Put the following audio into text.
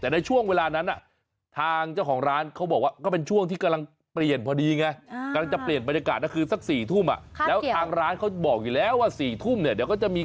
และเคลียร์พื้นที่